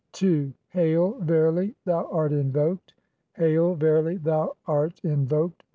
(n) II. "Hail, verily thou art invoked ; hail, verily thou art in "voked.